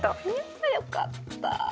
あよかった。